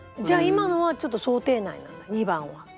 じゃあ今のはちょっと想定内なんだ２番は。